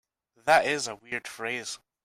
That is a weird phrase.